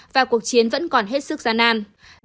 và cuộc chiến vẫn còn hết sức gian nan